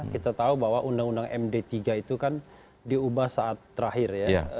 kita tahu bahwa undang undang md tiga itu kan diubah saat terakhir ya